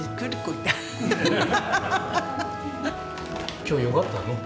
今日よかったの。